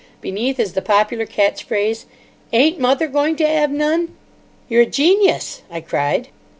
Beneath is the popular catch phrase, "Ain't mother going to 'ave none?" "You're a genius," I cried.